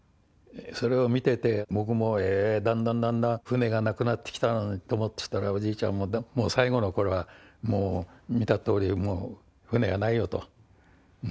それを見てて、僕も、だんだんだんだん船がなくなってきたなと思ってたら、おじいちゃんはもう最後のころは、もう見たとおり、もう船はないよと。